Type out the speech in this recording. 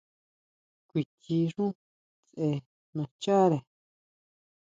Kuichi xú tse nascháʼre.